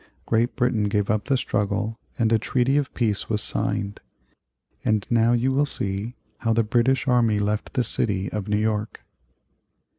Great Britain gave up the struggle, and a treaty of peace was signed. And now you will see how the British army left the city of New York.